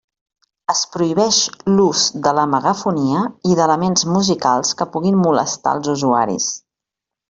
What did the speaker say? Es prohibeix l'ús de la megafonia i d'elements musicals que puguin molestar els usuaris.